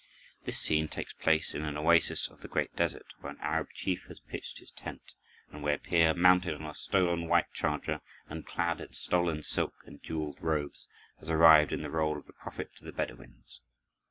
This scene takes place in an oasis of the Great Desert, where an Arab chief has pitched his tent, and where Peer, mounted on a stolen white charger and clad in stolen silk and jeweled robes, has arrived in the rôle of the prophet to the Bedouins.